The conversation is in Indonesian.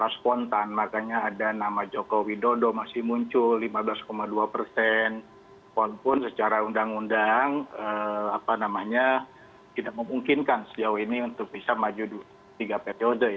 spontan makanya ada nama joko widodo masih muncul lima belas dua persen walaupun secara undang undang tidak memungkinkan sejauh ini untuk bisa maju tiga periode